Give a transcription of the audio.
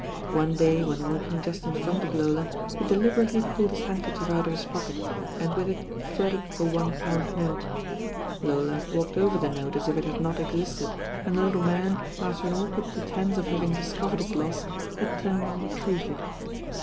One day when walking just in front of Lola he deliberately pulled his handker chief out of his pocket, and with it fluttered a one pound note. Lola walked over the note as if it had not existed, and the little man, after an awkward pretence of having discovered his loss, had turned and retrieved it.